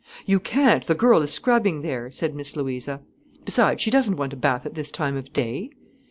"You can't, the girl is scrubbing there," said Miss Louisa. "Besides, she doesn't want a bath at this time of day."